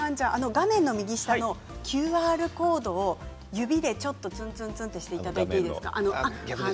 画面の右下のＱＲコードを指でちょっとツンツンツンってしていただいていいですか？